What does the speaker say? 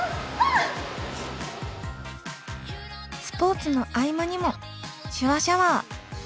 スポーツの合間にも「手話シャワー」。